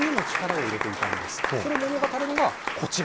それを物語るのがこちら。